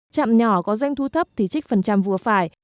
trạm nhỏ có doanh thu thấp thì trích phần trăm vừa phải